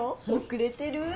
おくれてる。